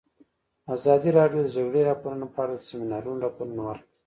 ازادي راډیو د د جګړې راپورونه په اړه د سیمینارونو راپورونه ورکړي.